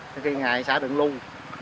có khi ngày xả đựng luôn